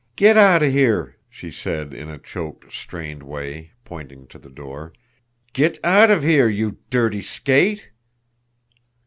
"Get out of here!" she said, in a choked, strained way pointing to the door. "Get out of here you dirty skate!"